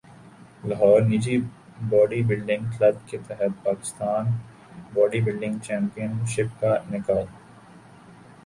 لاہور نجی body building club کے تحت Pakistan body building championship کا انعقاد